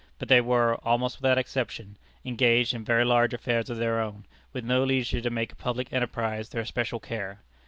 But they were, almost without exception, engaged in very large affairs of their own, with no leisure to make a public enterprise their special care.